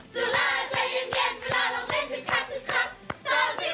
จุลาใจเย็นเย็นเวลาลงเล่น